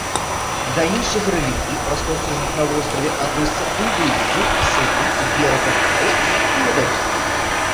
Да іншых рэлігій, распаўсюджаных на востраве, адносяцца індуізм, іслам, вера бахаі і іудаізм.